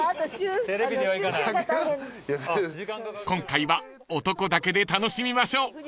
［今回は男だけで楽しみましょう］